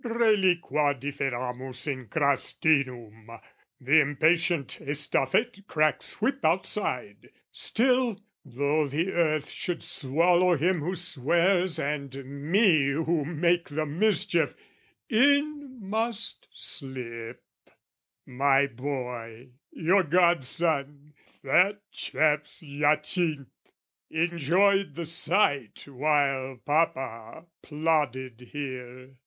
"Reliqua differamus in crastinum! "The impatient estafette cracks whip outside: "Still, though the earth should swallow him who swears "And me who make the mischief, in must slip " My boy, your godson, fat chaps Hyacinth, "Enjoyed the sight while Papa plodded here.